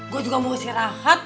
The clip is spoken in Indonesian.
gue juga mau sih rahat